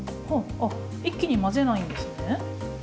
あ一気に混ぜないんですね。